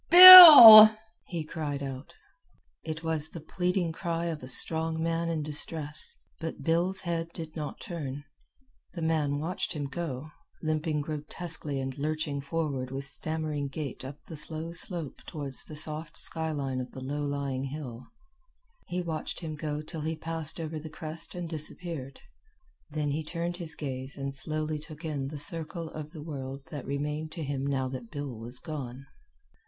"Bill!" he cried out. It was the pleading cry of a strong man in distress, but Bill's head did not turn. The man watched him go, limping grotesquely and lurching forward with stammering gait up the slow slope toward the soft sky line of the low lying hill. He watched him go till he passed over the crest and disappeared. Then he turned his gaze and slowly took in the circle of the world that remained to him now that Bill was gone.